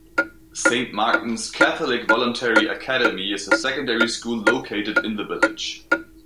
Saint Martin's Catholic Voluntary Academy is a secondary school located in the village.